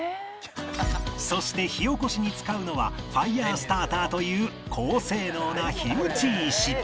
そして火おこしに使うのはファイヤースターターという高性能な火打ち石